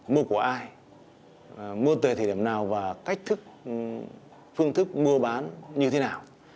mua của ai mua từ thời điểm nào và cách thức phương thức mua bán như thế nào